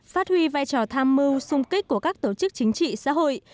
phát huy vai trò tham mưu xung kích của các tổ chức chính trị xã hội